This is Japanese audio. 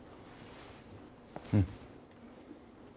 うん。